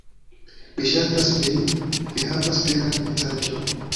Mi ŝatas vin, vi havas belan vizaĝon.